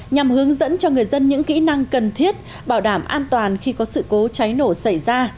nhằm hướng dẫn cho người dân những kỹ năng cần thiết bảo đảm an toàn khi có sự cố cháy nổ xảy ra